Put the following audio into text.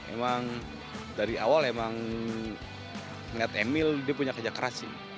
emang dari awal emang ngeliat emil dia punya kerja keras sih